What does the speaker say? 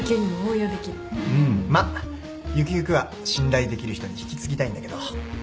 まっゆくゆくは信頼できる人に引き継ぎたいんだけど。